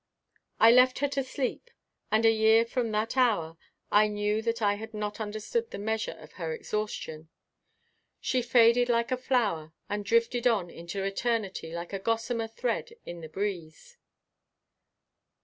I left her to sleep and a year from that hour I knew that I had not understood the measure of her exhaustion. She faded like a flower and drifted on into eternity like a gossamer thread in the breeze.